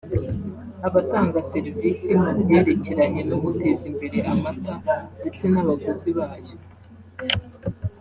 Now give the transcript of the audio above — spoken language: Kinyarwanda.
abatanga servisi mu byerekeranye no guteza imbere amata ndetse n’abaguzi bayo